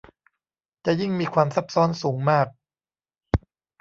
จะยิ่งมีความซับซ้อนสูงมาก